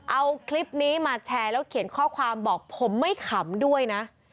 เอาคลิปนี้มาแชร์แล้วเขียนข้อความบอกผมไม่ขำด้วยนะ